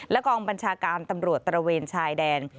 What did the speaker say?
กองบัญชาการตำรวจตระเวนชายแดน